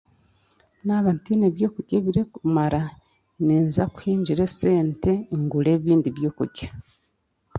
Naaba ntiine by'okurya ebirikumara ninza kuhingira esente ngure ebindi by'okurya.